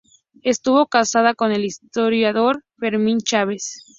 Estuvo casada con el historiador Fermín Chávez.